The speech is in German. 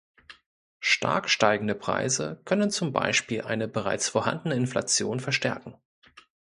Stark steigende Preise können zum Beispiel eine bereits vorhandene Inflation verstärken.